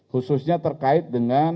khususnya terkait dengan